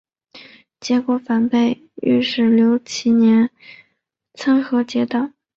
结果反被御史刘其年参劾结党。